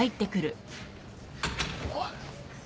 おい。